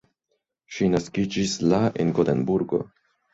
Ŝi naskiĝis la en Gotenburgo.